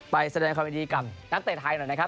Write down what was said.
ไปแสดงคอมเมดีกรรมนักเตะไทยหน่อยนะครับ